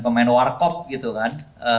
pemain warcop gitu kan